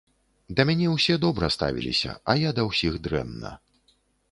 Да мяне ўсе добра ставіліся, а я да ўсіх дрэнна.